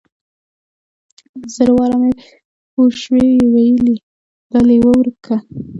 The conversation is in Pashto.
زر واره مې پوشوې ويلي دا ليوه ورک که.